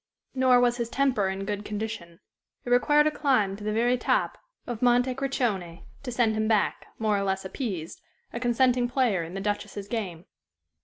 Nor was his temper in good condition. It required a climb to the very top of Monte Crocione to send him back, more or less appeased, a consenting player in the Duchess's game.